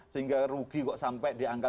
sehingga rugi kok sampai di angka tujuh